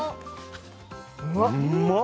うーまっ！